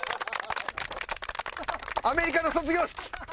アメリカの卒業式。